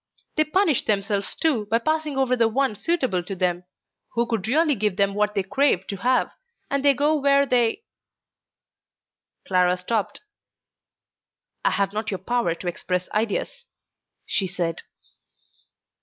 They punish themselves too by passing over the one suitable to them, who could really give them what they crave to have, and they go where they ..." Clara stopped. "I have not your power to express ideas," she said.